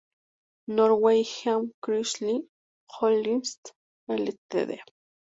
Norwegian Cruise Line Holdings Ltd.